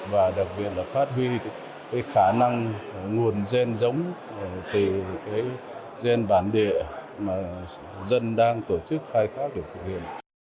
và đặc biệt là phát huy khả năng nguồn gen giống từ gen bản địa mà dân đang tổ chức khai thác để thực hiện